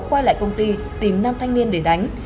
quay lại công ty tìm nam thanh niên để đánh